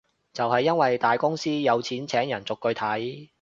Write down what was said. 就係因為大公司有錢請人逐句睇